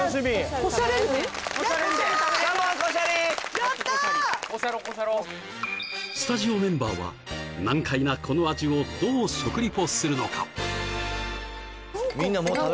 ・コシャろコシャろスタジオメンバーは難解なこの味をどう食リポするのか？